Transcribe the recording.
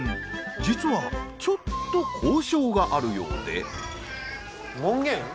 実はちょっと交渉があるようで。